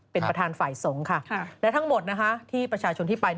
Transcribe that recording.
เป็นประธานฝ่ายสงฆ์ค่ะและทั้งหมดที่ประชาชนที่ไป